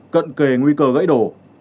cận kề nguy cơ gãy đổ